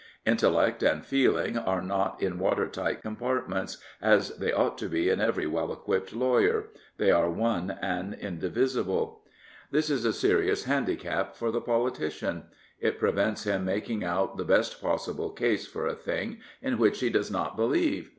In tellect and feeling are not in watertight compartments, as they ought to be in every well equipped lawyer; they are one and indivisible. This is a serious handicap for the politician. It prevents him making out the best possible case for a thing in which he does not believe.